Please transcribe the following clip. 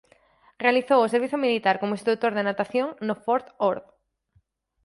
Realizou o servizo militar como instrutor de natación en Fort Ord.